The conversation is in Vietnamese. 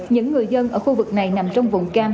những người dân ở khu vực này nằm trong vùng cam